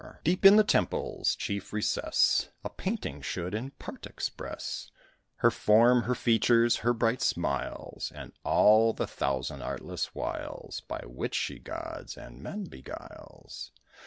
Deep in the Temple's chief recess A painting should in part express Her form, her features, her bright smiles, And all the thousand artless wiles By which she gods and men beguiles.